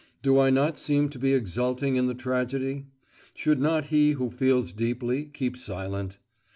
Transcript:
Do I not seem to be exulting in the tragedy? Should not he who feels deeply keep silent?